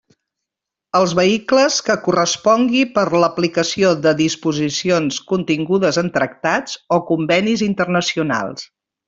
Els vehicles que correspongui per l'aplicació de disposicions contingudes en tractats o convenis internacionals.